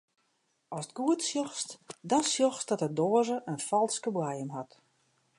Ast goed sjochst, dan sjochst dat de doaze in falske boaiem hat.